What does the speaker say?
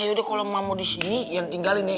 yaudah kalau mak mau di sini ian tinggalin ya